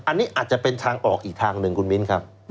อันนี้อาจจะเป็นทางออกอีกทางหนึ่งคุณมิ้นครับ